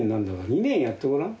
２年やってごらん。